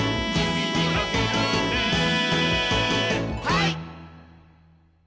はい！